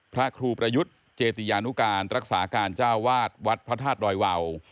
พระครูประยุทธ์เจติยานุการรักษาการเจ้าวาดวัดพระธาตุดอยวาว